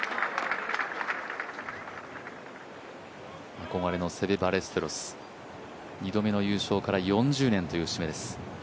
憧れのセベ・バレステロス、２度目の優勝から４０年という節目です。